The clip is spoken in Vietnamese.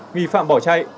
nghi phạm bỏ chạy